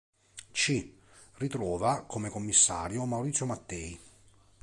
C: ritrova come Commissario Maurizio Mattei.